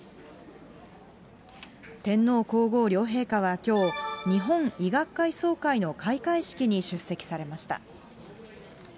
天皇皇后両陛下はきょう、日本医学会総会の開会式に出席されました。